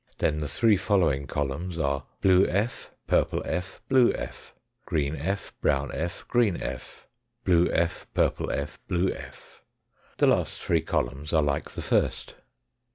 Then the three following columns are, blue f., purple f., blue f. ; green f., brown f., green f. ; blue f., purple f., blue f. The last three columns are like the first.